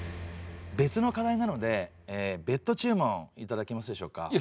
別の課題なので別途注文いただけますでしょうか？